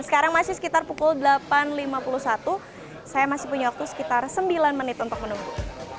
sekarang masih sekitar pukul delapan lima puluh satu saya masih punya waktu sekitar sembilan menit untuk menunggu